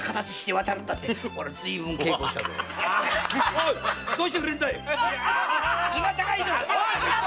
おいどうしてくれるんだ⁉